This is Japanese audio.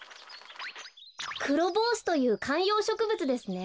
クロボウシというかんようしょくぶつですね。